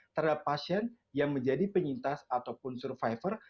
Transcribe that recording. terhadap pasien yang menjadi penyintas ataupun survivor